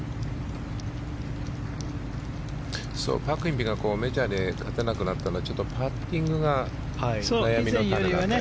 パク・インビがメジャーで勝てなくなったのはちょっとパッティングが悩みの種なんだよね。